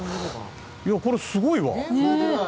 これすごいわ。